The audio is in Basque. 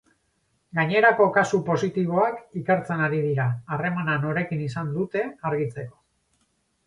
Gainerako kasu positiboak ikertzen ari dira, harremana norekin izan dute argitzeko.